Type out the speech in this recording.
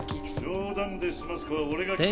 冗談で済ますかは俺が決めるからな。